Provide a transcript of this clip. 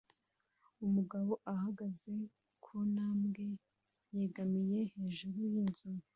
Umugabo ahagaze ku ntambwe yegamiye hejuru y'inzu